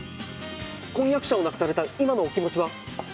婚約者を亡くされた今のお気持ちは？